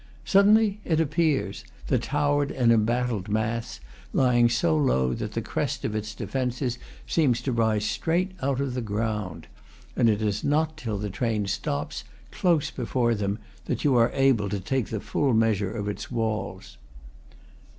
Sud denly it appears, the towered and embattled mass, lying so low that the crest of its defences seems to rise straight out of the ground; and it is not till the train stops, close before them, that you are able to take the full measure of its walls.